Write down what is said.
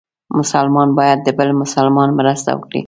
مسلمان باید د بل مسلمان مرسته وکړي.